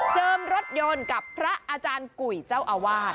รถยนต์กับพระอาจารย์กุยเจ้าอาวาส